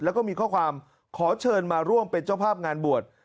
แล้วก็มีข้อความขอเชิญมาร่วมเป็นเจ้าภาพงานบวช